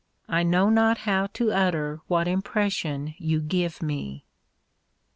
I know not how to utter what impression you give me.